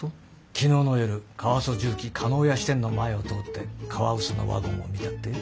昨日の夜カワソ什器叶谷支店の前を通ってカワウソのワゴンを見たって？